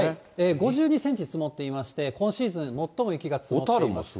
５２センチ積もっていまして、今シーズン最も雪が積もっています。